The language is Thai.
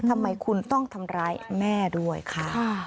ทำไมคุณต้องทำร้ายแม่ด้วยค่ะ